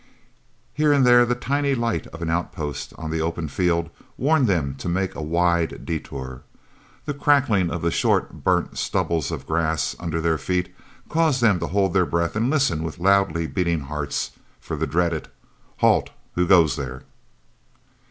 Here and there the tiny light of an outpost on the open field warned them to make a wide détour. The crackling of the short burnt stubbles of grass under their feet caused them to hold their breath and listen with loudly beating hearts for the dreaded "Halt! Who goes there?"